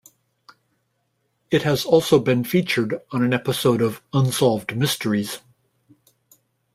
It has also been featured on an episode of "Unsolved Mysteries".